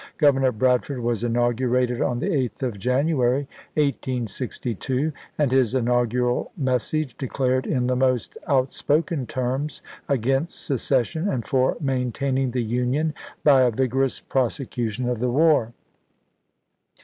Gov ernor Bradford was inaugurated on the 8th of Jan uary, 1862, and his inaugural message declared in the most outspoken terms against secession and for maintaining the Union by a vigorous prosecution of the war.